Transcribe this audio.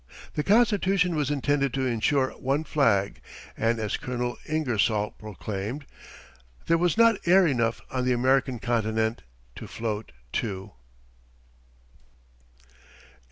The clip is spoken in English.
The Constitution was intended to insure one flag, and as Colonel Ingersoll proclaimed: "There was not air enough on the American continent to float two."